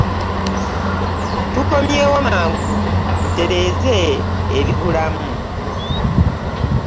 Tukomyewo mangu tutereeze ebibulamu.